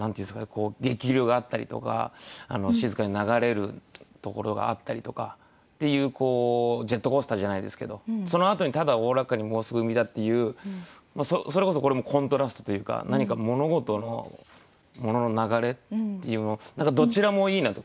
激流があったりとか静かに流れるところがあったりとかっていうこうジェットコースターじゃないですけどそのあとに「ただ大らかにもうすぐ海だ」っていうそれこそこれもコントラストというか何か物事のものの流れっていうどちらもいいなと。